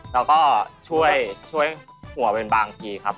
แล้วก็ช่วยหัวเป็นบางทีครับ